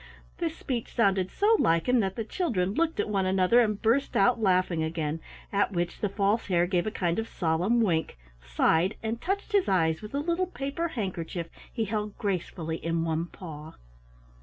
This speech sounded so like him that the children looked at one another and burst out laughing again, at which the False Hare gave a kind of solemn wink, sighed, and touched his eyes with a little paper handkerchief he held gracefully in one paw.